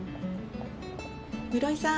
室井さん。